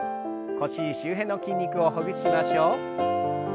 腰周辺の筋肉をほぐしましょう。